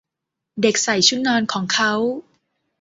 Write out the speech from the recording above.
เด็กใส่ชุดนอนของเค้า